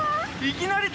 いきなり！？